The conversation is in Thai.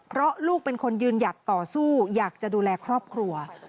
เพราะลูกเป็นคนยืนหยัดต่อสู้อยากจะดูแลครอบครัว